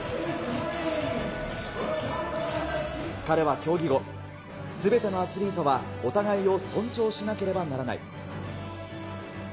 彼は競技後、すべてのアスリートは、お互いを尊重しなければならない。